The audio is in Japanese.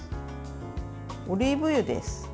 オリーブ油です。